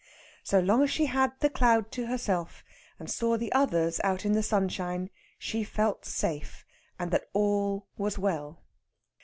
So long as she had the cloud to herself, and saw the others out in the sunshine, she felt safe, and that all was well.